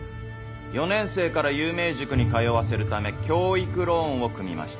４年生から有名塾に通わせるため教育ローンを組みました。